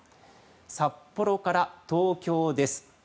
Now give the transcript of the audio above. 札幌から東京です。